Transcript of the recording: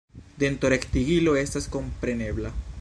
Dentorektigilo estas komprenebla.